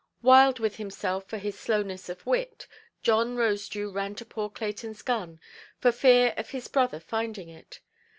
Wild with himself for his slowness of wit, John Rosedew ran to poor Claytonʼs gun, for fear of his brother finding it.